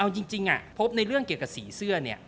เอาจริงพบในเรื่องเกี่ยวกับสีเสื้อเนี่ย